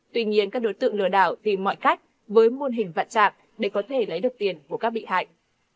tuy nhiên các đối tượng lừa đảo tìm mọi cách với môn hình vạn trạng để có thể lấy được tiền của các bị hại